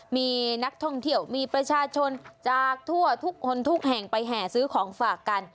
มีนักท่องเที่ยวมีประชาชนจากทั่วทุกคนทุกแห่งไปแห่ซื้อของฝากกัน